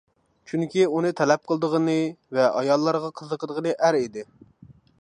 چۈنكى ئۇنى تەلەپ قىلىدىغىنى ۋە ئاياللارغا قىزىقىدىغىنى ئەر ئىدى.